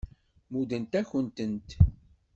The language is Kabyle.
Muddent-akent-tent.